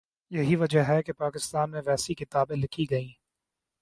یہی وجہ ہے کہ پاکستان میں ویسی کتابیں لکھی گئیں۔